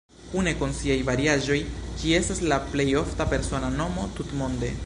Kune kun siaj variaĵoj ĝi estas la plej ofta persona nomo tutmonde.